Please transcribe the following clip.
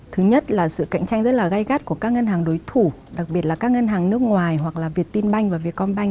thứ nhất là sự cạnh tranh rất là gai gắt của các ngân hàng đối thủ đặc biệt là các ngân hàng nước ngoài hoặc là việt tin banh và việt com banh